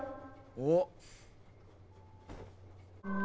おっ。